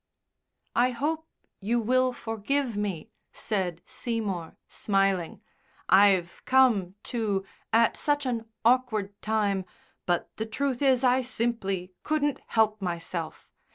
"I hope you will forgive me," said Seymour, smiling; "I've come, too, at such an awkward time, but the truth is I simply couldn't help myself.